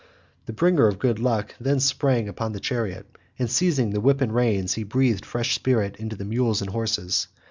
The bringer of good luck then sprang on to the chariot, and seizing the whip and reins he breathed fresh spirit into the mules and horses.